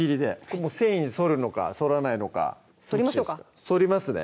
繊維にそるのかそらないのかそりましょうかそりますね